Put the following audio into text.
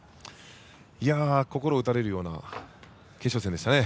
心を打たれるような決勝でしたね。